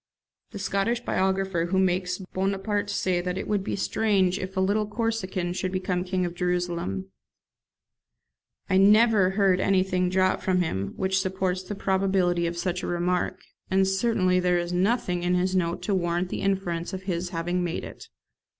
[The Scottish biographer makes Bonaparte say that it would be strange if a little Corsican should become King of Jerusalem. I never heard anything drop from him which supports the probability of such a remark, and certainly there is nothing in his note to warrant the inference of his having made it.